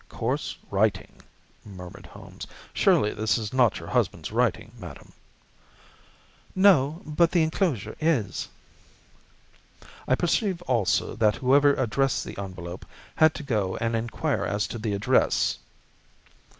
"Coarse writing," murmured Holmes. "Surely this is not your husband's writing, madam." "No, but the enclosure is." "I perceive also that whoever addressed the envelope had to go and inquire as to the address."